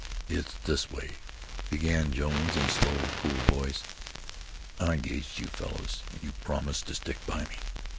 "It's this way," began Jones, in slow, cool voice; "I engaged you fellows, and you promised to stick by me.